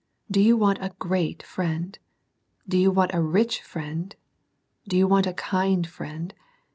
Do you want a great friend ?— Do you want a rich friend ?— Do you want a kind friend